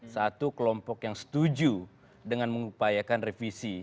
satu kelompok yang setuju dengan mengupayakan revisi